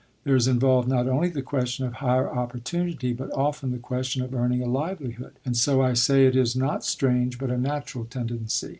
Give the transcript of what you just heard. There is involved not only the question of higher opportunity, but often the question of earning a livelihood; and so I say it is not strange, but a natural tendency.